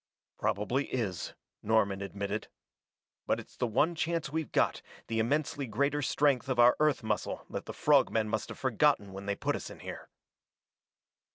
"Probably is," Norman admitted. "But it's the one chance we've got, the immensely greater strength of our Earth muscle that the frog men must have forgotten when they put us in here."